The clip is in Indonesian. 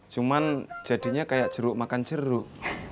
cuman jadinya kayak jeruk makan jeruk